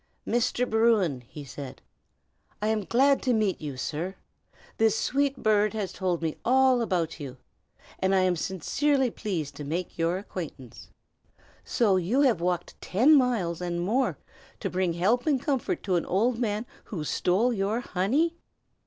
"Mr. Bruin," he said, "I am glad to meet you, sir! This sweet bird has told me all about you, and I am sincerely pleased to make your acquaintance. So you have walked ten miles and more to bring help and comfort to an old man who stole your honey!"